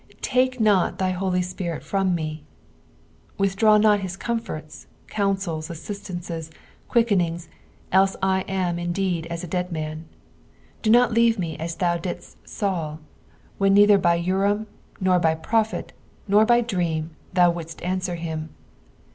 "Take vol iky lioly Spirit from nM." Withdraw not hia comfortB, counseto, usistBiices, quirk en ingg, else I wa indeed as a dend man. Do not leave me as thou didat Banl, when neither h; Urim. nor by prophet, nor hy dream, thou wouidst snsvrer him.